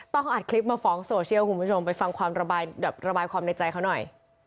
ต้องอัดคลิปมาฟ้องโซเชียลคุณผู้ชมไปฟังความระบายความในใจเขาหน่อย